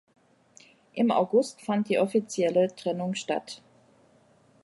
Im August fand die offizielle Trennung statt.